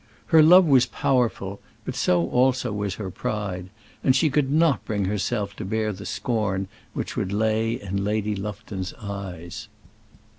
Her love was powerful, but so also was her pride; and she could not bring herself to bear the scorn which would lay in Lady Lufton's eyes.